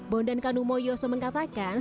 bondan kanumo yoso mengatakan